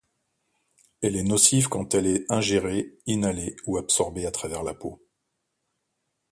Elle est nocive quand elle est ingérée, inhalée ou absorbée à travers la peau.